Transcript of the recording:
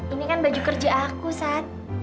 ini kan baju kerja aku saat